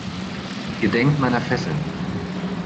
Gedenkt meiner Fesseln!